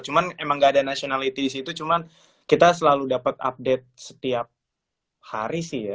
cuman emang gak ada nationality di situ cuman kita selalu dapat update setiap hari sih ya